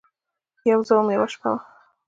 یوه زه وم ، یوه شپه وه